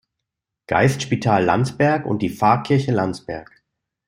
Geist Spital Landsberg und die Pfarrkirche Landsberg.